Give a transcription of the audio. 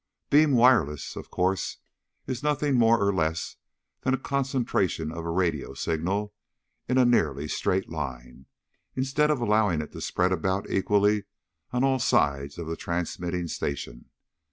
Beam wireless, of course, is nothing more or less than a concentration of a radio signal in a nearly straight line, instead of allowing it to spread about equally on all sides of the transmitting station.